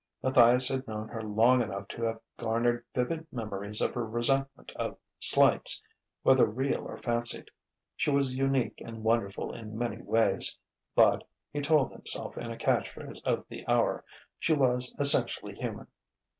Matthias had known her long enough to have garnered vivid memories of her resentment of slights, whether real or fancied. She was unique and wonderful in many ways, but (he told himself in a catch phrase of the hour) she was essentially human.